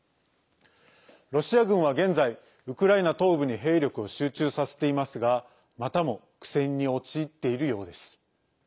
ロシア軍は現在ウクライナ東部に兵力を集中させていますがまたも苦戦に陥っているようです。